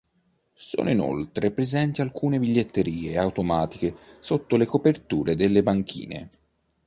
Sono inoltre presenti alcune biglietterie automatiche sotto le coperture delle banchine.